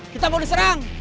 kita mau diserang